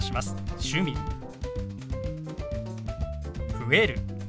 「増える」。